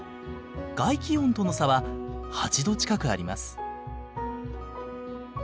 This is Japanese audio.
外気温との差は８度近くあります。